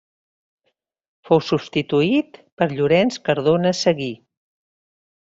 Fou substituït per Llorenç Cardona Seguí.